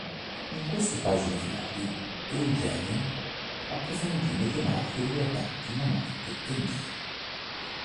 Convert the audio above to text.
In queste pagine finali, Eugenie approfondì tematiche riguardanti la morte e Dio.